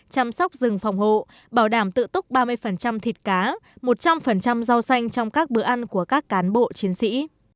chăm sóc rừng phòng hộ bảo đảm tự túc ba mươi thịt cá một trăm linh rau xanh trong các bữa ăn của các cán bộ chiến sĩ